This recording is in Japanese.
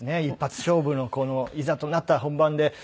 一発勝負のいざとなったら本番で。